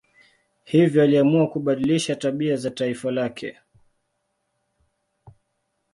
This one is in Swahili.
Hivyo aliamua kubadilisha tabia za taifa lake.